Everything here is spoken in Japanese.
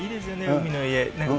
海の家。